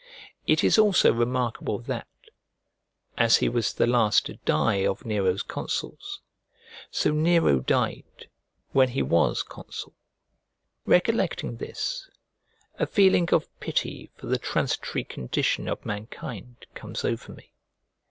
It is also remarkable that, as he was the last to die of Nero's consuls, so Nero died when he was consul. Recollecting this, a feeling of pity for the transitory condition of mankind comes over me.